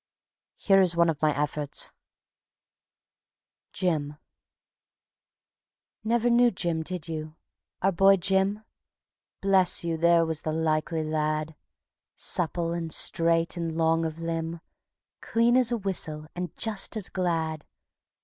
Here is one of my efforts: Jim Never knew Jim, did you? Our boy Jim? Bless you, there was the likely lad; Supple and straight and long of limb, Clean as a whistle, and just as glad.